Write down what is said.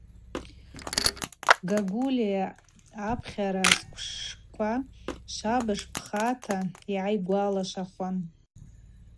Гагулия апхьара сквшква швабыж пхата йгӏайгвалашвахуан.